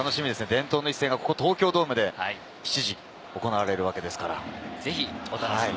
伝統の一戦がここ東京ドームで７時から行われるわけですから。